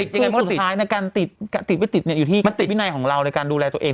คือสุดท้ายในการติดติดไว้ติดเนี่ยอยู่ที่วินัยของเราในการดูแลตัวเอง